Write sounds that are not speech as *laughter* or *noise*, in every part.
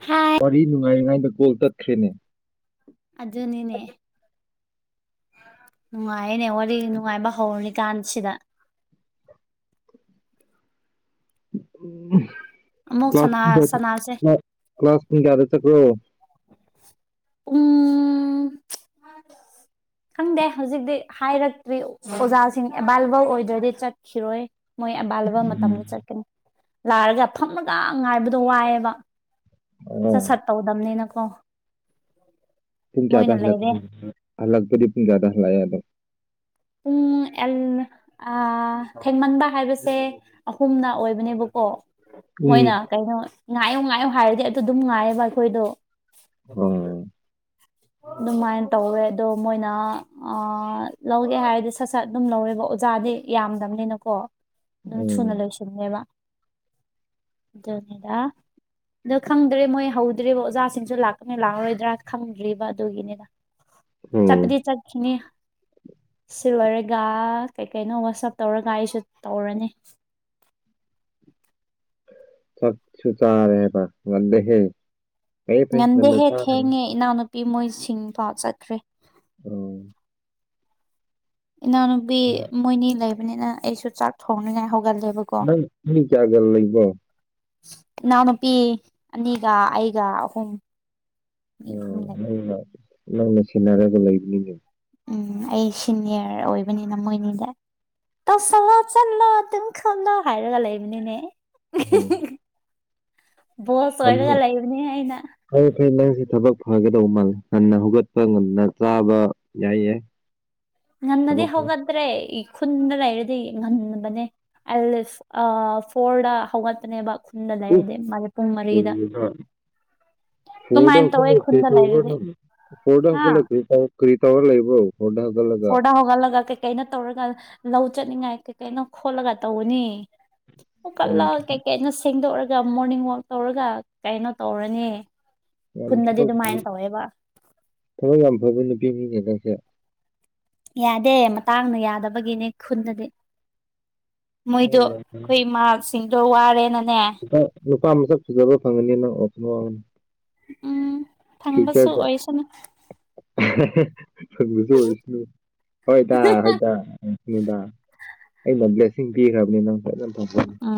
ꯍꯥꯥ ꯋꯥꯔꯤ ꯅꯨꯡꯉꯥꯏꯔꯤꯉꯥꯏꯗ ꯀꯣꯜ ꯇꯠꯈ꯭ꯔꯦꯅꯦ ꯑꯗꯨꯅꯤꯅꯦ ꯅꯨꯡꯉꯥꯏꯌꯦꯅꯦ ꯋꯥꯔꯤ ꯅꯨꯡꯉꯥꯏꯕ ꯍꯧꯔꯤꯀꯥꯟꯁꯤꯗ ꯑꯃꯨꯛ ꯁꯅꯥ ꯁꯅꯥꯁꯦ ꯀ꯭ꯂꯥꯁ ꯄꯨꯡ ꯀꯌꯥꯗ ꯆꯠꯄ꯭ꯔꯣ ꯎꯝ ꯈꯪꯗꯦ ꯍꯧꯖꯤꯛꯇꯤ ꯍꯥꯏꯔꯛꯇ꯭ꯔꯤ ꯑꯣꯖꯥꯁꯤꯡ ꯑꯦꯕꯥꯏꯂꯦꯕꯜ ꯑꯣꯏꯗ꯭ꯔꯗꯤ ꯆꯠꯈꯤꯔꯣꯏ ꯃꯣꯏ ꯑꯕꯥꯜꯂꯦꯕꯜ ꯃꯇꯝꯗ ꯆꯠꯀꯅꯤ ꯂꯥꯔꯒ ꯐꯝꯔꯒ ꯉꯥꯏꯕꯗꯣ ꯋꯥꯏꯌꯦꯕ ꯁꯠ ꯑꯣ ꯁꯠ ꯇꯧꯗꯝꯅꯤꯅꯀꯣ ꯄꯨꯡ ꯀꯌꯥꯗ ꯂꯩꯔꯦ ꯍꯜꯂꯛꯅꯤ ꯍꯜꯂꯛꯄꯗꯤ ꯄꯨꯨꯡ ꯀꯥꯗ ꯍꯜꯂꯛꯑꯦ ꯑꯗꯣ ꯄꯨꯡ ꯑꯦꯜ ꯑꯥ ꯊꯦꯡꯃꯟꯕ ꯍꯥꯏꯕꯁꯦ ꯑꯍꯨꯝꯅ ꯑꯣꯏꯕꯅꯦꯕꯀꯣ ꯎꯝ ꯃꯣꯏꯅ ꯀꯩꯅꯣ ꯉꯥꯏꯌꯣ ꯉꯥꯏꯌꯣ ꯍꯥꯏꯔꯗꯤ ꯑꯗꯨ ꯑꯗꯨꯝ ꯉꯥꯏꯌꯦꯕ ꯑꯩꯈꯣꯏꯗꯣ *unintelligible* ꯑꯣ ꯑꯗꯨꯃꯥꯏꯟ ꯇꯧꯋꯦ ꯑꯗꯣ ꯃꯣꯏꯅ ꯑꯥ ꯂꯧ ꯒꯦ ꯍꯥꯏꯔꯗꯤ ꯁꯠ ꯁꯠ ꯑꯗꯨꯝ ꯂꯧꯋꯦꯕ ꯑꯣꯖꯥꯗꯤ ꯌꯥꯝꯗꯝꯅꯤꯅ ꯀꯣ ꯑꯗꯨꯝ ꯊꯨꯅ ꯎꯝ ꯂꯣꯏꯁꯤꯟꯅꯦꯕ ꯑꯗꯨꯅꯤꯗꯥ ꯑꯗꯨ ꯈꯪꯗ꯭ꯔꯤ ꯃꯣꯏ ꯍꯧꯗ꯭ꯔꯤꯕ ꯑꯣꯖꯥꯁꯤꯡꯁꯨ ꯂꯥꯛꯀꯅꯤ ꯂꯥꯛꯑꯣꯏꯗ꯭ꯔꯥ ꯈꯪꯗ꯭ꯔꯤꯕ ꯑꯗꯨꯒꯤꯅꯤꯗ ꯎꯝ ꯆꯠꯄꯗꯤ ꯆꯠꯈꯤꯅꯤ ꯁꯤ ꯂꯣꯏꯔꯒ ꯀꯩ ꯀꯩꯅꯣ ꯋꯥꯁꯞ ꯇꯧꯔꯒ ꯑꯩꯁꯨ ꯇꯧꯔꯅꯤ ꯆꯥꯛꯁꯨ ꯆꯥꯔꯦꯕ ꯉꯟꯂꯦꯍꯦ ꯉꯟꯗꯦꯍꯦ ꯊꯦꯡꯉꯦ ꯏꯅꯥꯎꯅꯨꯄꯤ ꯃꯣꯏꯁꯤꯡ ꯐꯥꯎ ꯆꯠꯈ꯭ꯔꯦ ꯎꯝ ꯏꯅꯥꯎꯅꯨꯄꯤ ꯃꯣꯏꯅꯤ ꯂꯩꯕꯅꯤꯅ ꯑꯩꯁꯨ ꯆꯥꯛ ꯊꯣꯡꯅꯤꯉꯥꯏ ꯍꯧꯒꯠꯂꯦꯕ ꯅꯪ ꯃꯤ ꯀꯌꯥꯒ ꯂꯩꯕꯣ ꯏꯅꯥꯎꯅꯨꯄꯤ ꯑꯅꯤꯒ ꯑꯩꯒ ꯑꯍꯨꯝ ꯃꯤ ꯑꯍꯨꯝ ꯑꯣ ꯂꯩꯌꯦ ꯅꯪꯅ ꯅꯪꯅ ꯁꯤꯟꯅꯔꯒ ꯂꯩꯕꯅꯤꯅꯦ ꯎꯝ ꯑꯩ ꯁꯤꯅꯤꯌꯔ ꯑꯣꯏꯕꯅꯤꯅ ꯃꯣꯏꯅꯤꯗ ꯇꯧꯁꯜꯂꯣ ꯆꯠꯂꯣ ꯑꯗꯨꯝ ꯈꯣꯠꯂꯣ ꯍꯥꯏꯔꯒ ꯂꯩꯕꯅꯤꯅꯦ ꯎꯝ ꯕꯣꯁ ꯑꯣꯏꯔꯒ ꯂꯩꯕꯅꯦ ꯑꯩꯅ ꯐꯔꯦ ꯐꯩ ꯅꯪꯁꯦ ꯊꯕꯛ ꯐꯒꯗꯧꯕ ꯃꯥꯜꯂꯦ ꯉꯟꯅ ꯍꯧꯒꯠꯄ ꯉꯟꯅ ꯆꯥꯕ ꯌꯥꯏꯌꯦ ꯉꯟꯅꯗꯤ ꯍꯧꯒꯠꯇ꯭ꯔꯦ ꯏ ꯈꯨꯟꯗ ꯂꯩꯔꯗꯤ ꯉꯟꯕꯅꯦ ꯑꯦꯠ ꯂꯤꯁꯠ ꯑꯥ ꯐꯣꯔꯗ ꯍꯧꯒꯠꯄꯅꯦꯕ ꯈꯨꯟꯗ ꯎ ꯂꯩꯔꯗꯤ ꯃꯥꯗꯤ ꯄꯨꯡ ꯃꯔꯤꯗ *unintelligible* ꯐꯣꯔꯗ ꯑꯗꯨꯃꯥꯏꯅ ꯇꯧꯋꯦ ꯍꯧꯒꯠꯂ ꯀꯔꯤ ꯈꯨꯟꯗ ꯇꯧꯕ꯭ꯔꯥ ꯂꯩꯔꯗꯤ ꯅꯪ ꯐꯣꯔꯗ ꯍꯥ ꯍꯧꯒꯠꯂ ꯀꯔꯤ ꯇꯧ ꯀꯔꯤ ꯇꯧꯔ ꯂꯩꯕ꯭ꯔꯣ ꯐꯣꯔꯗ ꯍꯧꯒꯠꯂ ꯐꯣꯔꯗ ꯍꯧꯒꯠꯂꯒ ꯀꯩꯀꯩꯅꯣ ꯇꯧꯔꯒ ꯂꯧ ꯆꯠꯅꯤꯡꯉꯥꯏ ꯀꯩꯀꯩꯅꯣ ꯈꯣꯠꯂꯒ ꯇꯧꯕꯅꯤ ꯌꯥꯝ ꯍꯧꯒꯠꯂ ꯀꯩꯀꯩꯅꯣ ꯁꯦꯡꯗꯣꯛꯔꯒ ꯃꯣꯔꯅꯤꯡ ꯋꯥꯛ ꯇꯧꯔꯒ ꯀꯩꯅꯣ ꯇꯧꯔꯅꯤ ꯌꯥꯝ ꯈꯨꯟꯗꯗꯤ ꯊꯕꯛ ꯑꯗꯨꯃꯥꯏꯅ ꯇꯧꯋꯦꯕ ꯊꯕꯛ ꯌꯥꯝ ꯐꯕ ꯅꯨꯄꯤꯅꯤꯅꯦ ꯅꯪꯁꯦ ꯌꯥꯗꯦ ꯃꯇꯥꯡꯅ ꯌꯥꯗꯕꯒꯤꯅꯦ ꯈꯨꯟꯗꯗꯤ ꯃꯣꯏꯗꯣ ꯑꯈꯣꯏ ꯃꯥꯁꯤꯡꯗꯣ ꯋꯥꯔꯦꯅꯅꯦ ꯄꯥ ꯅꯨꯄꯥ ꯃꯁꯛ ꯐꯖꯕ ꯐꯪꯉꯅꯤ ꯅꯪ *unintelligible* ꯎꯝ ꯐꯪꯕꯁꯨ ꯐ꯭ꯌꯨꯆꯔꯗ ꯑꯣꯏꯁꯅꯨ *unintelligible* ꯐꯪꯕꯁꯨ ꯑꯣꯏꯁꯅꯨ ꯍꯣꯏꯗꯥ ꯍꯣꯏꯗꯥ ꯅꯨꯗꯥ ꯑꯩꯅ ꯕ꯭ꯂꯦꯁꯤꯡ ꯄꯤꯈ꯭ꯔꯕꯅꯦ ꯅꯪ ꯐꯖꯅ *unintelligible* ꯐꯥ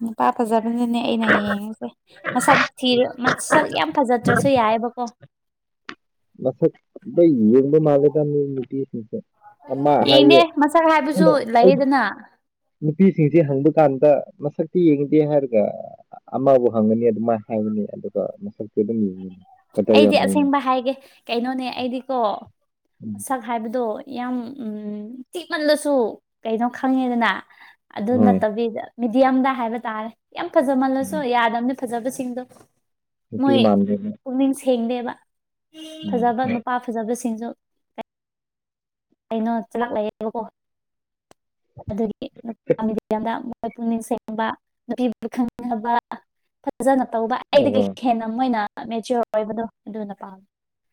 ꯅꯨꯄꯥ ꯐꯖꯕꯅꯤꯅꯦ ꯑꯩꯅ ꯌꯦꯡꯉꯤꯁꯦ ꯃꯁꯛ ꯊꯤꯔ ꯃꯁꯛ ꯌꯥꯝ ꯐꯖꯗ꯭ꯔꯁꯨ ꯌꯥꯏꯌꯦꯕꯀꯣ ꯃꯁꯛ ꯂꯣꯏ ꯌꯦꯡꯕ ꯃꯥꯂꯦꯗ ꯅꯣꯏ ꯅꯨꯄꯤꯁꯤꯡꯁꯦ ꯑꯃ ꯍꯥꯏꯌꯦ ꯐꯨ ꯍꯥꯏꯕꯁꯨ ꯑꯩꯅ ꯑꯩꯅ ꯂꯩꯌꯦꯗꯅ ꯅꯨꯄꯤꯁꯤꯡꯁꯦ ꯍꯪꯕ ꯀꯥꯟꯗ ꯃꯁꯛꯇꯤ ꯌꯦꯡꯗꯦ ꯍꯥꯏꯔꯒ ꯑꯃꯕꯨ ꯍꯪꯒꯅꯤ ꯑꯗꯨꯃꯥꯏꯅ ꯍꯥꯏꯒꯅꯤ ꯑꯗꯨꯒ ꯃꯁꯛꯇꯤ ꯑꯗꯨꯝ ꯌꯦꯡꯉꯅꯤ ꯑꯩꯗꯤ ꯑꯁꯦꯡꯕ ꯍꯥꯏꯒꯦ ꯀꯩꯅꯣꯅꯦ ꯑꯩꯗꯤꯀꯣ ꯎꯝ ꯁꯛ ꯍꯥꯏꯕꯗꯣ ꯌꯥꯝ ꯊꯤꯛꯃꯜꯂꯁꯨ ꯀꯩꯅꯣ ꯈꯪꯉꯦꯗꯅ ꯑꯗꯨ ꯍꯣꯏ ꯅꯠꯇꯕꯤꯗ ꯃꯤꯗꯤꯌꯝꯗ ꯍꯥꯏꯕ ꯇꯥꯔꯦ ꯌꯥꯝ ꯐꯖꯃꯜꯂꯁꯨ ꯎꯝ ꯌꯥꯗꯕꯅꯤ ꯐꯖꯕꯁꯤꯡꯗꯣ ꯅꯨꯄꯤ ꯃꯣꯏ ꯃꯥꯟꯗꯦꯕ ꯄꯨꯛꯅꯤꯡ ꯁꯦꯡꯗꯦꯕ ꯎꯝ ꯐꯖꯕ ꯅꯨꯄꯥ ꯐꯖꯕꯁꯤꯡꯁꯨ ꯀꯩꯅꯣ ꯆꯂꯥꯛꯂꯦꯕꯀꯣ ꯑꯗꯨꯒꯤ ꯅꯨ ꯌꯥꯝ *unintelligible* ꯈꯣꯏ ꯄꯨꯛꯅꯤꯡ ꯁꯦꯡꯕ ꯅꯨꯄꯤꯕꯨ ꯈꯪꯅꯕ ꯐꯖꯅ ꯇꯧꯕ ꯑꯩꯗꯒꯤ ꯑꯍꯣꯏ *unintelligible* ꯍꯦꯟꯅ ꯃꯣꯏꯅ ꯃꯦꯆꯌꯣꯔ ꯑꯣꯏꯕꯗꯣ ꯑꯗꯨꯅ ꯄꯥꯝꯃꯦ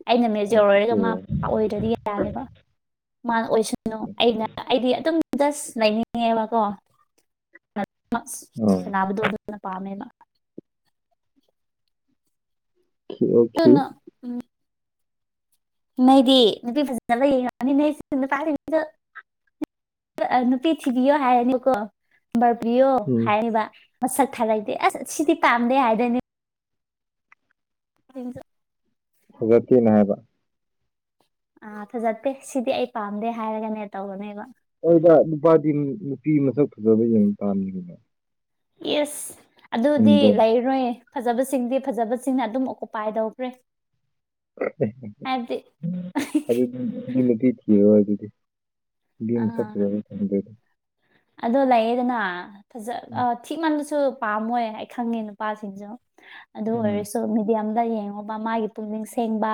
ꯑꯩꯅ ꯃꯦꯆꯌꯣꯔ ꯑꯣꯏꯔꯒ ꯑꯣꯀꯦ ꯃꯥꯄꯥ ꯑꯣꯏꯗ꯭ꯔꯗꯤ ꯌꯥꯅꯦꯕ ꯃꯥꯅ ꯑꯣꯏꯁꯅꯨ ꯑꯩꯅ ꯑꯩꯗꯤ ꯑꯗꯨꯝ ꯖꯁ ꯂꯩꯅꯤꯡꯉꯦꯕꯀꯣ *inaudible* ꯎꯝ ꯅꯥꯕꯗꯣꯅ ꯗꯨꯅ ꯄꯥꯃꯦꯕ ꯑꯣꯀꯦ ꯑꯣꯀꯦ ꯑꯗꯨꯅ ꯅꯩꯗꯤ ꯅꯨꯄꯤ ꯐꯖꯅ ꯌꯦꯡꯉꯅꯤ ꯅꯨꯄꯥ ꯁꯤꯡ ꯇꯥ *unintelligible* ꯅꯨꯄꯤ ꯊꯤꯕꯤꯌꯣ ꯍꯥꯏꯔꯅꯤ ꯀꯣ ꯕꯔꯄꯤꯌꯣ ꯎꯝ ꯍꯥꯏꯔꯤꯕ ꯃꯁꯛ ꯊꯥꯔꯛꯇꯦ ꯑꯁ ꯁꯤꯗꯤ ꯄꯥꯝꯗꯦ ꯍꯥꯏꯗꯣꯏꯅꯦ ꯍ *unintelligible* ꯐꯠꯖꯇꯦꯅ ꯍꯥꯏꯕ ꯑ ꯐꯖꯠꯇꯦ ꯁꯤꯗꯤ ꯑꯩ ꯄꯥꯝꯗꯦ ꯍꯥꯏꯔꯒꯅꯦ ꯇꯧꯔꯅꯦꯕ ꯑꯩꯗ ꯅꯨꯄꯥꯗꯤ ꯅꯨꯄꯤ ꯃꯁꯛ ꯐꯖꯕ ꯌꯦꯡꯕ ꯄꯥꯝꯃꯤꯅ ꯏꯁ ꯑꯗꯨꯗꯤ ꯆꯨꯝꯗ꯭ꯔꯣ ꯂꯩꯏ ꯔꯣꯏ ꯐꯖꯕꯁꯤꯡꯗꯤ ꯐꯖꯕꯁꯤꯡꯅ ꯑꯗꯨꯝ ꯑꯣꯀꯨꯄꯥꯏ ꯇꯧꯈ꯭ꯔꯦ ꯍꯥꯏꯕꯗꯤ ꯑꯗꯨꯗꯤꯈꯤ ꯑꯗꯨ ꯑꯗꯨꯗꯤ *unintelligible* ꯝ ꯑꯥ ꯁꯖ ꯀꯗꯦ *unintelligible* ꯑꯗꯣ ꯂꯩꯌꯦꯗꯅꯥ ꯐꯖ ꯑ ꯊꯤ ꯃꯟꯕꯁꯨ ꯄꯥꯝꯃꯣꯏ ꯑꯩ ꯈꯪꯉꯦ ꯅꯨꯄꯥꯁꯤꯡꯁꯨ ꯑꯗꯨ ꯎꯝ ꯑꯣꯏꯔꯁꯨ ꯃꯦꯗꯤꯌꯝꯗ ꯌꯦꯡꯉꯣꯕ ꯃꯥꯒꯤ ꯄꯨꯛꯅꯤꯡ ꯁꯦꯡꯕ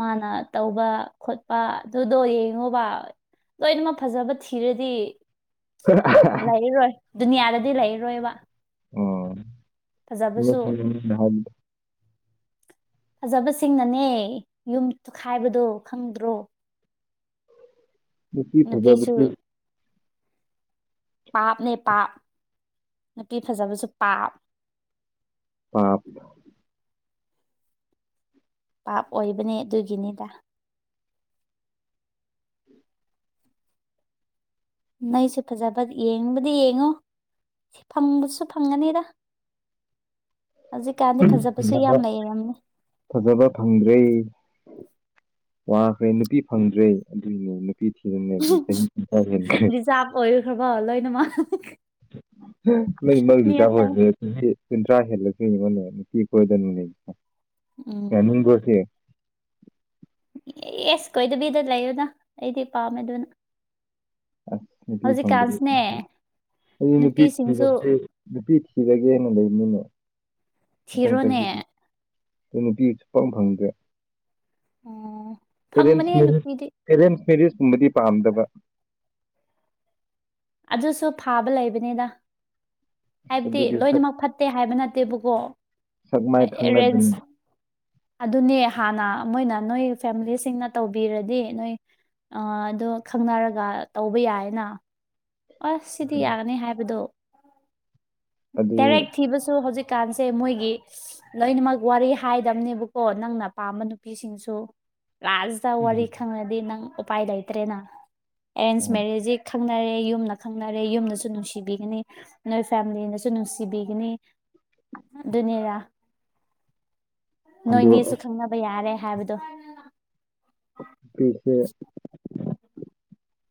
ꯃꯥꯅ ꯇꯧꯕ ꯈꯣꯠꯄ ꯑꯗꯨꯗꯣ ꯌꯦꯡꯉꯣꯕ ꯂꯣꯏꯅꯃꯛ ꯐꯖꯕ ꯊꯤꯔꯗꯤ ꯂꯩꯔꯔꯣꯏ ꯗꯨꯅꯤꯌꯥꯗꯗꯤ ꯂꯩꯔꯔꯣꯏꯕ ꯎꯝ ꯐꯖꯕꯁꯨ ꯐꯖꯕꯁꯤꯡꯅꯅꯦ ꯌꯨꯝ ꯇꯣꯈꯥꯏꯕꯗꯣ ꯈꯪꯗ꯭ꯔꯣ ꯅꯨꯄꯤ ꯅꯨꯄꯤꯁꯨ ꯐꯖꯕꯁꯦ ꯄꯥꯞꯅꯦ ꯄꯥꯞ ꯅꯨꯄꯤ ꯐꯖꯕꯁꯨ ꯄꯥꯞ ꯄꯥꯞ ꯄꯥꯞ ꯑꯣꯏꯕꯅꯦ ꯑꯗꯨꯒꯤꯅꯤꯗ ꯅꯣꯏꯁꯨ ꯐꯖꯕ ꯌꯦꯡꯕꯗꯤ ꯌꯦꯡꯉꯨ ꯐꯪꯕꯁꯨ ꯐꯪꯒꯅꯤꯗ ꯍꯧꯖꯤꯛꯀꯥꯟꯗꯤ ꯐꯖꯕꯁꯨ ꯐꯖꯕ ꯌꯥꯝ ꯂꯩꯔꯝꯅꯦ ꯐꯖꯕ ꯐꯪꯗ꯭ꯔꯦ ꯋꯥꯈ꯭ꯔꯦ ꯅꯨꯄꯤ ꯐꯪꯗ꯭ꯔꯦ ꯑꯗꯨꯏꯅꯦ ꯅꯨꯄꯤ ꯊꯤꯍꯟꯗꯕꯤ ꯆꯍꯤ ꯀꯨꯟꯊ꯭ꯔꯥ ꯍꯦꯟꯈ꯭ꯔꯦ ꯔꯤꯖꯥꯕ ꯑꯣꯏꯈ꯭ꯔꯕ ꯂꯣꯏꯅꯃꯛ ꯅꯣꯏ ꯃꯤ *unintelligible* ꯑꯇꯩ ꯑꯣꯏꯔꯗꯤ ꯆꯍꯤ ꯀꯨꯟꯊ꯭ꯔꯥ ꯍꯦꯜꯂ *unintelligible* ꯅꯨꯄꯤ ꯀꯣꯏꯗꯅ ꯎꯝ ꯌꯥꯅꯤꯡꯕ꯭ꯔꯣ ꯁꯦ ꯑꯦꯁ ꯀꯣꯏꯗꯕꯤꯗ ꯂꯩꯌꯨꯗ ꯑꯩꯗꯤ ꯄꯥꯝꯃꯦ ꯑꯗꯨꯅ ꯑꯁ ꯅꯨꯄꯤ ꯐꯪꯗꯕꯤ ꯍꯧꯖꯤꯛꯀꯥꯟꯁꯤꯅꯦ ꯑꯩ ꯅꯨꯄꯤ ꯅꯨꯄꯤꯁꯤꯡꯁꯨ ꯐꯪꯗ꯭ꯔꯗꯤ ꯅꯨꯄꯤ ꯊꯤꯔꯒꯦꯅ ꯂꯩꯕꯅꯤꯅꯦ ꯃꯊꯪ ꯊꯤꯔꯣꯅꯦ ꯆꯍꯤ ꯑꯗꯨ ꯅꯨꯄꯤ ꯁꯨꯨꯐꯪ ꯐꯪꯗ꯭ꯔꯦ ꯑꯣ ꯑꯦꯔꯦꯟꯁ ꯐꯪꯕꯅꯦ ꯃꯦꯔꯦꯁ ꯅꯨꯄꯤꯗꯤ ꯑꯦꯔꯦꯟꯁ ꯃꯦꯔꯦꯁꯀꯨꯝꯕꯗꯤ ꯄꯥꯝꯗꯕ ꯑꯗꯨꯁꯨ ꯐꯥꯕ ꯂꯩꯕꯅꯤꯗ ꯑꯁ ꯍꯥꯏꯕꯗꯤ ꯑꯗꯨꯗꯤ ꯁꯛ ꯂꯣꯏꯅꯃꯛ ꯐꯠꯇꯦ ꯍꯥꯏꯕ ꯅꯠꯇꯦꯕꯀꯣ ꯁꯛ ꯃꯥꯏ ꯈꯪꯅꯗꯅ ꯑꯦꯔꯦꯟꯖ ꯑꯗꯨꯅꯦ ꯍꯥꯟꯅ ꯃꯣꯏꯅ ꯅꯣꯏ ꯐꯦꯃꯤꯂꯤꯁꯤꯡꯅ ꯇꯧꯕꯤꯔꯗꯤ ꯅꯣꯏ ꯑ ꯑꯗꯣ ꯈꯪꯅꯔꯒ ꯇꯧꯕ ꯌꯥꯏꯌꯦꯅ ꯑꯁ ꯁꯤꯗꯤ ꯌꯥꯒꯅꯤ ꯍꯥꯏꯕꯗꯣ ꯑꯗꯨ ꯗꯥꯏꯔꯦꯛ ꯊꯤꯕꯁꯨ ꯍꯧꯖꯤꯛꯀꯥꯟꯁꯦ ꯃꯣꯏꯒꯤ ꯂꯣꯏꯅꯃꯛ ꯋꯥꯔꯤ ꯍꯥꯏꯗꯕꯅꯦꯕꯀꯣ ꯅꯪꯅ ꯄꯥꯝꯕ ꯅꯨꯄꯤꯁꯤꯡꯁꯨ ꯂꯥꯁ ꯇ ꯋꯥꯔꯤ ꯎꯝ ꯈꯪꯉꯗꯤ ꯅꯪ ꯎꯄꯥꯏ ꯂꯩꯇ꯭ꯔꯦꯅ ꯑꯦꯔꯦꯟꯖ ꯃꯦꯔꯦꯁꯖꯤ ꯈꯪꯅꯔꯦ ꯌꯨꯝ ꯈꯪꯅꯔꯦ ꯌꯨꯝꯗꯁꯨ ꯅꯨꯡꯁꯤꯕꯤꯒꯅꯤ ꯅꯣꯏ ꯐꯦꯃꯤꯂꯤꯅꯁꯨ ꯅꯨꯡꯁꯤꯕꯤꯒꯅꯤ ꯑꯗꯨꯅꯦꯔꯥ ꯑꯗꯨ ꯅꯣꯏꯅꯤꯁꯨ ꯈꯪꯅꯕ ꯌꯥꯔꯦ ꯍꯥꯏꯕꯗꯣ ꯄꯤꯁꯦ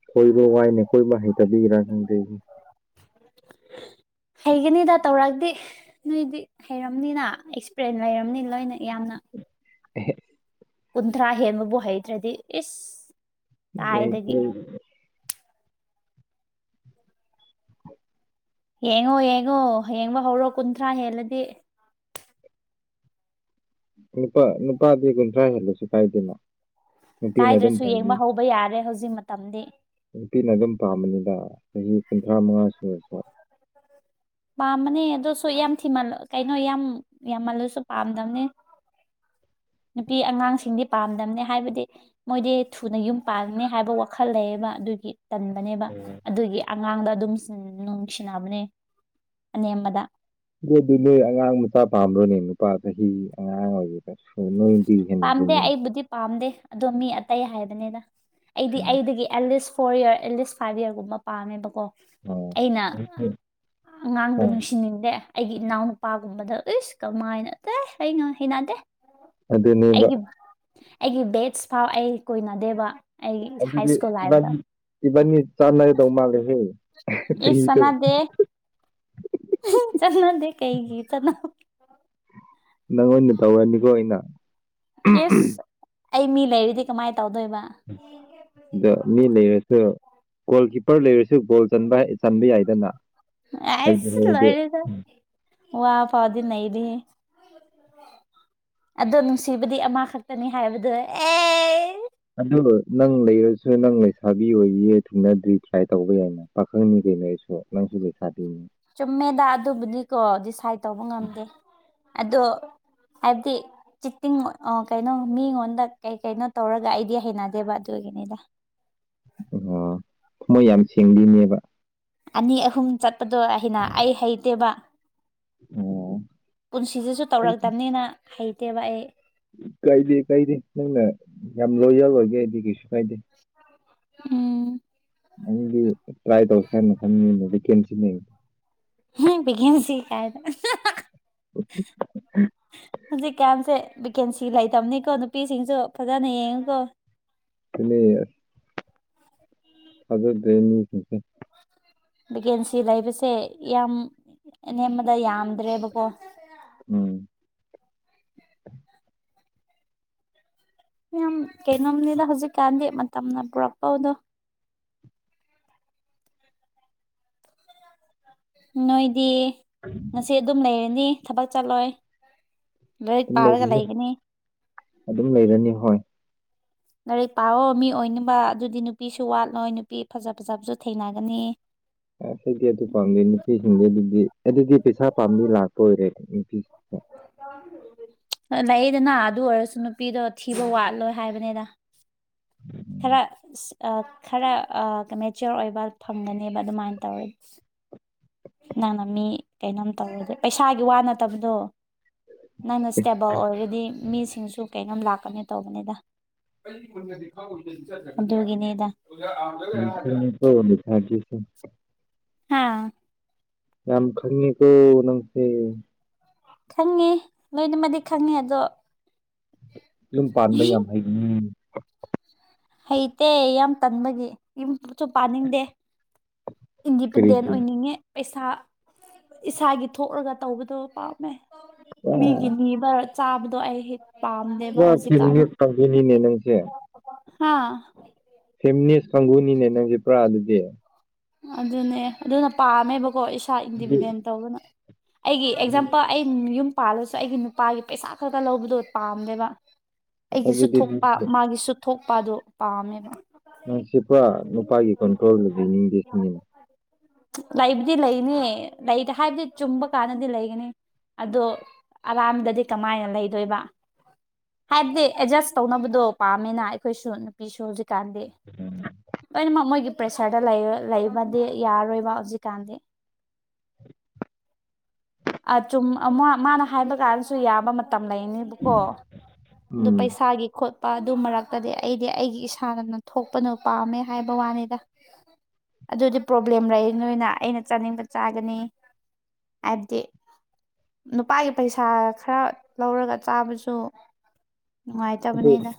ꯀꯣꯏꯕ ꯋꯥꯏꯅꯦ ꯀꯣꯏꯕ ꯍꯩꯇꯕꯒꯤꯔꯥ ꯈꯪꯗꯦꯅꯤ ꯍꯩꯒꯅꯤꯗ ꯇꯧꯔꯛꯑꯗꯤ ꯅꯣꯏꯗꯤ ꯍꯩꯔꯝꯅꯤꯅ ꯑꯦꯛꯁꯄꯔꯦꯟ ꯂꯩꯔꯝꯅꯤ ꯂꯣꯏꯅ ꯌꯥꯝꯅ *unintelligible* ꯀꯨꯟꯊ꯭ꯔꯥ ꯍꯦꯟꯕꯕꯨ ꯍꯩꯇ꯭ꯔꯗꯤ ꯏꯁ ꯀꯥꯏꯗꯒꯤ *unintelligible* ꯌꯦꯡꯉꯣ ꯌꯦꯡꯉꯣ ꯍꯌꯦꯡꯃꯛ ꯍꯧꯔꯣ ꯀꯨꯟꯊ꯭ꯔꯥ ꯍꯦꯜꯂꯗꯤ ꯅꯨꯄꯥ ꯅꯨꯄꯥꯗꯤ ꯀꯨꯟꯊ꯭ꯔꯥ ꯍꯦꯜꯂꯨꯁꯨ ꯀꯥꯏꯗꯦꯅ ꯅꯨꯄꯤꯅ ꯑꯗꯨꯝ ꯀꯥꯏꯗ꯭ꯔꯁꯨ ꯌꯦꯡꯕ ꯄꯥꯝꯃꯤ ꯍꯧꯕ ꯌꯥꯔꯦ ꯍꯧꯖꯤꯛ ꯃꯇꯝꯗꯤ ꯅꯨꯄꯤꯅ ꯑꯗꯨꯝ ꯄꯥꯝꯕꯅꯤꯗ ꯆꯍꯤ ꯀꯨꯟꯊ꯭ꯔꯥ ꯃꯉꯥ ꯁꯨꯔꯁꯨ ꯄꯥꯝꯕꯅꯦ ꯑꯗꯨꯁꯨ ꯌꯥꯝ ꯊꯤꯃꯜ ꯀꯩꯅꯣ ꯌꯥꯝ ꯌꯥꯝꯃꯜꯂꯁꯨ ꯄꯥꯝꯗꯕꯅꯦ ꯅꯨꯄꯤ ꯑꯉꯥꯡꯁꯤꯡꯗꯤ ꯄꯥꯝꯗꯝꯅꯤ ꯍꯥꯏꯕꯗꯤ ꯃꯣꯏꯗꯤ ꯊꯨꯅ ꯌꯨꯝ ꯄꯥꯟꯒꯅꯤ ꯍꯥꯏꯕ ꯋꯥꯈꯜ ꯂꯩꯌꯦꯕ ꯑꯗꯨꯒꯤ ꯇꯟꯕꯅꯦꯕ ꯎꯝ ꯑꯗꯨꯒꯤ ꯑꯉꯥꯡꯗ ꯑꯗꯨꯝ ꯁꯤꯟ ꯅꯨꯡꯁꯤꯅꯕꯅꯦ ꯑꯅꯦꯝꯕꯗ ꯑꯗꯨꯗꯤ ꯅꯣꯏ ꯑꯉꯥꯡ ꯃꯆꯥ ꯄꯥꯝꯕ꯭ꯔꯣꯅꯦ ꯅꯨꯄꯥ ꯆꯍꯤ ꯑꯉꯥꯡ ꯑꯣꯏꯒꯦꯗꯁꯨ ꯅꯣꯏ ꯄꯥꯝꯗꯦ ꯑꯩꯕꯨꯗꯤ ꯄꯥꯝꯗꯦ ꯑꯗꯣ ꯃꯤ ꯑꯇꯩ ꯍꯥꯏꯕꯅꯤꯗ ꯑꯩꯗꯤ ꯎꯝ ꯑꯩꯗꯒꯤ ꯑꯦꯂꯤꯁ ꯐꯣꯔ ꯏꯔ ꯑꯦꯠꯂꯤꯁ ꯐꯥꯏꯚ ꯏꯔꯒꯨꯝꯕ ꯄꯥꯝꯃꯦꯕꯀꯣ ꯑꯣ ꯑꯩꯅ ꯐꯩ ꯐꯩ ꯑꯉꯥꯡꯗ ꯅꯨꯡꯁꯤꯅꯤꯡꯗꯦ ꯑꯩꯒꯤ ꯏꯅꯥꯎꯅꯨꯄꯥꯒꯨꯝꯕꯗ ꯏꯁ ꯀꯃꯥꯏꯅ *unintelligible* ꯑꯩ ꯉꯥ ꯍꯩꯅꯗꯦ ꯑꯗꯨꯅꯦꯕ ꯑꯩꯒꯤ ꯑꯩꯒꯤ ꯕꯦꯠꯁ ꯐꯥꯎ ꯑꯩ ꯀꯣꯏꯅꯗꯦꯕ ꯑꯩꯒꯤ ꯍꯥꯏ ꯑꯗꯨꯗꯤ ꯁ꯭ꯀꯨꯜ ꯂꯥꯏꯐꯇ ꯏꯕꯥꯅꯤ ꯏꯕꯥꯅꯤ ꯆꯥꯟꯅꯒꯗꯧ ꯃꯥꯥꯡꯂꯦꯍꯦ ꯏꯁ ꯆꯅꯗꯦ ꯆꯅꯥꯗꯦ ꯀꯩꯒꯤ ꯆꯅꯥ ꯅꯪ ꯑꯣꯏꯅ ꯇꯧꯔꯅꯤꯀꯣ ꯑꯩꯅ ꯑꯗ ꯌꯦꯁ ꯑꯩ ꯃꯤ ꯂꯩꯔꯤꯗꯤ ꯀꯃꯥꯏ ꯇꯧꯗꯣꯏꯕ ꯑꯗꯣ ꯃꯤ ꯂꯩꯔꯁꯨ ꯒꯣꯜ ꯀꯤꯞꯄꯔ ꯂꯩꯔꯁꯨ ꯒꯣꯜ ꯆꯟꯕꯥꯏ ꯆꯟꯕ ꯌꯥꯏꯗꯅ ꯍꯩꯕꯨ ꯑꯦꯏꯁ ꯍꯩꯔꯗꯤ ꯂꯣꯏꯦꯗ ꯋꯥ ꯐꯥꯎꯗꯤ ꯅꯩꯗꯤꯍꯦ ꯑꯗꯣ ꯅꯨꯡꯁꯤꯕꯗꯤ ꯑꯃꯥꯈꯛꯇꯅꯤ ꯍꯥꯏꯕꯗꯣ ꯑꯦ ꯑꯗꯨ ꯅꯪ ꯂꯩꯔꯁꯨ ꯅꯪ ꯂꯩꯁꯥꯕꯤ ꯑꯣꯏꯕꯤꯌꯦ ꯊꯨꯡꯅꯗ꯭ꯔꯤ ꯇ꯭ꯔꯥꯏ ꯇꯧꯕ ꯌꯥꯏꯅ ꯄꯥꯈꯪꯅꯤ ꯀꯩꯅꯣ ꯑꯩꯁꯨ ꯅꯪꯁꯨ ꯂꯩꯁꯕꯤꯅꯤ ꯆꯨꯝꯃꯦꯗ ꯑꯗꯨꯕꯨꯗꯤꯀꯣ ꯗꯤꯁꯥꯏꯠ ꯇꯧꯕ ꯉꯝꯗꯦ ꯑꯗꯣ ꯍꯥꯏꯕꯗꯤ ꯆꯤꯇꯤꯡ ꯑꯣ ꯀꯩꯅꯣ ꯃꯤꯉꯣꯟꯗꯥ ꯀꯩ ꯀꯩꯅꯣ ꯇꯧꯔꯒ ꯑꯩꯗꯤ ꯍꯩꯅꯗꯦꯕ ꯑꯗꯨꯒꯤꯅꯦꯗ꯫ ꯑꯣ ꯊꯃꯣꯏ ꯌꯥꯝ ꯁꯦꯡꯕꯤꯅꯦꯕ ꯑꯅꯤ ꯑꯍꯨꯝ ꯆꯠꯄꯗꯣ ꯑꯍꯩꯅ ꯑꯩ ꯍꯩꯇꯦꯕ ꯑꯣ ꯄꯨꯟꯁꯤꯁꯤꯁꯨ ꯑꯩ ꯇꯧꯔꯛꯇꯝꯅꯦꯅ ꯍꯩꯇꯦꯕ ꯑꯩ ꯀꯥꯏꯗꯦ ꯀꯥꯏꯗꯦ ꯅꯪꯅ ꯌꯥꯝ ꯂꯣꯏꯌꯜ ꯑꯣꯏꯒꯦ ꯍꯥꯏꯗꯤ ꯀꯩꯁꯨ ꯀꯥꯏꯗꯦ꯫ ꯎꯝ ꯑꯩꯗꯤ ꯇ꯭ꯔꯥꯏ ꯇꯧꯁꯦꯔꯅ ꯈꯟꯕꯅꯤꯅꯦ ꯚꯦꯀꯦꯟꯁꯤ ꯂꯩ ꯍꯦ ꯚꯦꯀꯦꯟꯁꯤ ꯀꯥꯏꯗ *unintelligible* ꯍꯧꯖꯤꯛ ꯀꯟꯁꯦ ꯚꯦꯀꯦꯟꯁꯤ ꯂꯩꯇꯕꯅꯦꯀꯣ ꯅꯨꯄꯤꯁꯤꯡꯁꯨ ꯐꯖꯟꯅ ꯌꯦꯡꯉꯣꯀꯣ ꯇꯨꯅꯦ ꯑꯁ ꯊꯖꯥꯗ꯭ꯔꯦ ꯃꯤꯁꯤꯡꯁꯦ ꯚꯦꯀꯦꯟꯁꯤ ꯂꯩꯕꯁꯦ ꯌꯥꯝ ꯑꯅꯦꯝꯕꯗ ꯌꯥꯝꯗ꯭ꯔꯦꯕꯀꯣ *unintelligible* ꯎꯝ ꯌꯥꯝ ꯀꯩꯅꯣꯝꯅꯦꯅ ꯍꯧꯖꯤꯛꯀꯥꯟꯗꯤ ꯃꯇꯝꯅ ꯄꯨꯔꯛꯄꯧꯗꯣ ꯅꯣꯏꯗꯤ ꯉꯁꯤ ꯑꯗꯨꯝ ꯂꯩꯔꯅꯤ ꯊꯕꯛ ꯆꯠꯂꯣꯏ ꯂꯥꯏꯔꯤꯛ ꯑꯗꯨꯝ ꯄꯥꯔꯒ ꯂꯩꯔꯤꯅꯤ, ꯂꯩꯒꯅꯤ ꯑꯗꯨꯝ ꯂꯩꯔꯅꯤ ꯍꯣꯏ꯫ ꯂꯥꯏꯔꯤꯛ ꯄꯥꯑꯣ ꯃꯤ ꯑꯣꯏꯅꯕ ꯑꯗꯨꯗꯤ ꯅꯨꯄꯤꯁꯨ ꯋꯥꯠꯂꯣꯏ ꯅꯨꯄꯤ ꯐꯖ ꯐꯖꯕꯁꯨ ꯊꯦꯡꯅꯒꯅꯤ ꯑꯥ ꯁꯤꯗꯤ ꯑꯗꯨ ꯄꯥꯝꯗꯦ ꯅꯨꯄꯤꯁꯤꯡꯗꯣ ꯑꯗꯨꯗꯤ ꯑꯗꯨꯗꯤ ꯄꯩꯁꯥ ꯄꯥꯝꯕꯒꯤ ꯂꯥꯛꯄ ꯑꯣꯏꯔꯦ ꯅꯨꯄꯤ *unintelligible* ꯂꯩꯌꯦꯗꯅ ꯑꯗꯨ ꯑꯣꯏꯔꯁꯨ ꯅꯨꯄꯤꯗꯣ ꯊꯤꯕ ꯋꯥꯠꯂꯣꯏ ꯍꯥꯏꯕꯅꯦꯗꯥ ꯈꯔ ꯑꯁ ꯑꯥ ꯈꯔ ꯑꯥ ꯀꯥ ꯃꯦꯆ꯭ꯌꯣꯔ ꯑꯣꯏꯕ ꯐꯪꯒꯅꯦꯕ ꯑꯗꯨꯃꯥꯏꯟ ꯇꯧꯔ ꯅꯪꯅ ꯃꯤ ꯀꯩꯅꯣꯝ ꯇꯧꯔꯗꯤ ꯄꯩꯁꯥꯒꯤ ꯋꯥ ꯅꯠꯇꯕꯗꯣ ꯅꯪꯅ ꯁ꯭ꯇꯦꯕꯜ ꯑꯣꯏꯔꯗꯤ ꯃꯤꯁꯤꯡꯁꯨ ꯀꯩꯅꯣꯝ ꯂꯥꯛꯀꯅꯦ ꯇꯧꯕꯅꯦꯗ ꯑꯩꯗꯤ ꯃꯨꯟꯅꯗꯤ ꯈꯪꯉꯣꯏ ꯀꯦꯝ ꯆꯠꯇ꯭ꯔꯥ ꯑꯗꯨꯒꯤꯅꯦꯗ ꯑꯣꯖ ꯑꯝ ꯌꯝ ꯈꯪꯉꯦꯀꯣ ꯃꯦꯊꯥ *unintelligible* ꯍꯥꯥ ꯌꯥꯝ ꯈꯪꯉꯦꯀꯣ ꯅꯪꯁꯦ ꯈꯪꯉꯦ ꯂꯣꯏꯅꯃꯗꯤ ꯈꯪꯉꯦ ꯑꯗꯣ ꯌꯨꯝ ꯄꯥꯟꯕ ꯌꯥꯝ ꯍꯩꯒꯅꯤ ꯍꯩꯇꯦ ꯌꯥꯝ ꯇꯟꯕꯒꯤ ꯌꯨꯝꯄꯨꯁꯨ ꯄꯥꯟꯅꯤꯡꯗꯦ ꯏꯟꯗꯤꯄꯦꯟꯗꯦꯟ ꯀꯔꯤꯒꯤ ꯑꯣꯏꯅꯤꯡꯉꯦ ꯄꯩꯁꯥ ꯏꯁꯥꯒꯤ ꯊꯣꯛꯔꯒ ꯇꯧꯕꯗꯣ ꯄꯥꯝꯃꯦ꯫ ꯃꯤꯒꯤ ꯄꯨꯔꯥ ꯅꯤꯕꯥ ꯆꯥꯕꯗꯣ ꯑꯩ ꯍꯩ ꯄꯨꯔꯥ *unintelligible* ꯇꯧꯗꯣꯏꯅꯤꯅꯦ ꯅꯪꯁꯦ ꯍꯥꯥ ꯐꯦꯝꯃꯤꯅꯤꯁ ꯀꯥꯡꯕꯨꯅꯤꯅꯦ ꯅꯪꯁꯦ ꯄꯨꯔꯥ ꯑꯗꯨꯗꯤ? ꯑꯗꯨꯅꯦ ꯑꯗꯨꯅ ꯄꯥꯝꯃꯦꯕꯀꯣ ꯏꯁꯥ ꯑꯗꯨ ꯏꯟꯗꯤꯄꯦꯟꯗꯦꯟ ꯇꯧꯕꯅ ꯑꯩꯒꯤ ꯑꯦꯛꯖꯥꯝꯄꯜ ꯑꯩ ꯌꯨꯝ ꯄꯥꯜꯂꯁꯨ ꯑꯩꯒꯤ ꯅꯨꯄꯥꯒꯤ ꯄꯩꯁꯥ ꯈꯛꯇ ꯂꯧꯕꯗꯣ ꯄꯥꯝꯗꯦꯕ ꯑꯁ ꯑꯩꯒꯤꯁꯨ ꯑꯗꯨꯗꯤ ꯊꯣꯛꯄꯥ ꯅꯪꯁꯦ ꯃꯥꯒꯤꯁꯨ ꯊꯣꯛꯄꯥ ꯑꯗꯣ ꯄꯥꯝꯃꯦꯕ꯫ ꯅꯪꯁꯤ ꯀꯣ ꯅꯨꯄꯥꯒꯤ ꯀꯟꯇ꯭ꯔꯣꯜꯗ ꯂꯩꯅꯤꯡꯗꯦ ꯁꯤꯅꯤꯅꯦ *inaudible* ꯂꯩꯕꯗꯤ ꯂꯩꯅꯤ ꯂꯩ ꯍꯥꯏꯕꯗꯤ ꯆꯨꯝꯕ ꯀꯥꯟꯗꯗꯤ ꯂꯩꯒꯅꯤ ꯑꯗꯣ ꯑꯔꯥꯟꯕꯗꯗꯤ ꯀꯃꯥꯏꯅ ꯂꯩꯗꯣꯏꯕ ꯍꯥꯏꯕꯗꯤ ꯑꯦꯗꯖꯁ ꯇꯧꯅꯕꯗꯣ ꯄꯥꯝꯃꯦꯅ ꯑꯩꯈꯣꯏꯁꯨ ꯅꯨꯄꯤꯁꯨ ꯍꯧꯖꯤꯛꯀꯥꯟꯗꯤ *unintelligible* ꯂꯣꯏꯅꯃꯛ ꯃꯣꯏꯒꯤ ꯄ꯭ꯔꯦꯁꯔꯗ ꯂꯩꯔꯦ ꯂꯩꯕꯗꯤ ꯌꯥꯔꯣꯏꯕ ꯍꯧꯖꯤꯛꯀꯥꯟꯗꯤ ꯑꯆꯨꯝ ꯑ ꯃꯥ ꯃꯥꯅ ꯍꯥꯏꯕ ꯀꯥꯟꯗꯁꯨ ꯌꯥꯕ ꯃꯇꯝ ꯂꯩꯅꯤ ꯕꯀꯣ ꯑꯗꯨ ꯎꯝ ꯄꯩꯁꯥꯒꯤ ꯈꯣꯠꯄ ꯑꯗꯨ ꯃꯔꯛꯇꯗꯤ ꯑꯩꯗꯤ ꯑꯩꯒꯤ ꯏꯁꯥꯅ ꯊꯣꯛꯄꯅ ꯄꯥꯝꯃꯦ ꯍꯥꯏꯕꯋꯥꯅꯦꯗ ꯑꯗꯨꯗꯤ ꯄ꯭ꯔꯣꯕ꯭ꯂꯦꯝ ꯂꯩꯔꯅꯣꯏꯅ ꯑꯩꯅ ꯆꯥꯅꯤꯡꯕ ꯆꯥꯒꯅꯤ ꯍꯥꯏꯕꯗꯤ ꯅꯨꯄꯥꯒꯤ ꯄꯩꯁꯥ ꯈꯔ ꯂꯧꯔꯒ ꯆꯥꯕꯁꯨ ꯑꯗꯨ ꯅꯨꯡꯉꯥꯏꯇꯕꯅꯤꯗ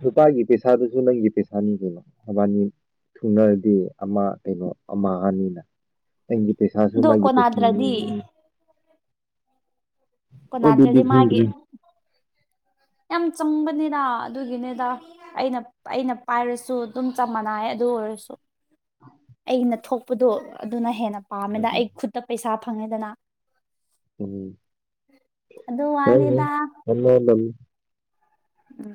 ꯅꯨꯄꯥꯒꯤ ꯄꯩꯁꯥꯗꯨꯁꯨ ꯅꯪꯒꯤ ꯄꯩꯁꯥꯅꯤ ꯀꯩꯅꯣ ꯅꯕꯥꯅꯤ ꯊꯨꯡꯅꯔꯗꯤ ꯑꯃ ꯀꯩꯅꯣ ꯑꯃ ꯑꯅꯤꯅ ꯑꯩꯒꯤ ꯄꯩꯁꯥꯁꯨ ꯑꯗꯣ ꯃꯥꯒꯤ ꯄꯩꯁꯥꯅꯤ ꯀꯣꯟꯅꯗ꯭ꯔꯗꯤ ꯑꯗꯨꯗꯤ ꯀꯣꯟꯅꯗ꯭ꯔꯥꯗꯤ ꯃꯥꯒꯤ ꯈꯪꯗ꯭ꯔꯦ ꯌꯥꯝ ꯆꯪꯕꯅꯤꯗꯥ ꯑꯗꯨꯒꯤꯅꯦꯗꯥ ꯑꯩꯅ ꯑꯩꯅ ꯄꯥꯏꯔꯁꯨ ꯑꯗꯨꯝ ꯆꯞ ꯃꯥꯟꯅꯩꯌꯦ ꯑꯗꯨ ꯑꯣꯏꯔꯁꯨ ꯑꯩꯅ ꯊꯣꯛꯄꯗꯣ ꯑꯗꯨꯅ ꯍꯦꯟꯅ ꯄꯥꯝꯃꯦꯗ ꯑꯩ ꯈꯨꯠꯇ ꯄꯩꯁꯥ ꯐꯪꯉꯦꯗꯅ ꯎꯝ ꯑꯗꯨꯋꯥꯅꯦꯗ ꯑꯃ ꯂꯝ